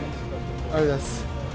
ありがとうございます。